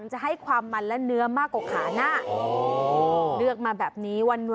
เยอะด้วยเหนียว